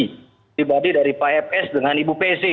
pribadi dari pak fs dengan ibu pc